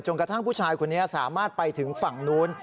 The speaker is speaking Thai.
กระทั่งผู้ชายคนนี้สามารถไปถึงฝั่งนู้น